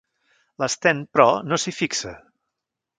L'Sten, però, no s'hi fixa.